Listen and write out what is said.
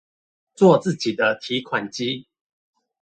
做自己的提款機